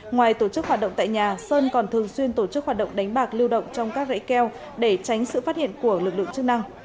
ngoài tổ chức hoạt động tại nhà sơn còn thường xuyên tổ chức hoạt động đánh bạc lưu động trong các rẫy keo để tránh sự phát hiện của lực lượng chức năng